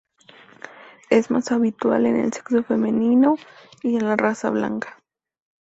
Es más habitual en el sexo femenino y en la raza blanca.